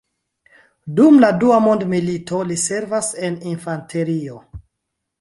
Dum la Dua Mondmilito, li servas en infanterio.